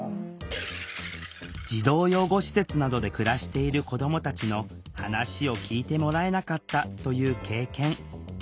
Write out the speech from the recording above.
児童養護施設などで暮らしている子どもたちの話を聴いてもらえなかったという経験。